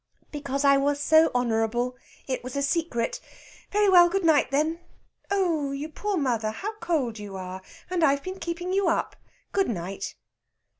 "Because I was so honourable. It was a secret. Very well, good night, then.... Oh, you poor mother! how cold you are, and I've been keeping you up! Good night!"